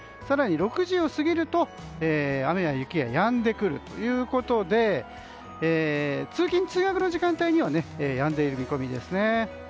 更に６時を過ぎると雨や雪がやんでくるということで通勤・通学の時間帯にはやんでいる見込みです。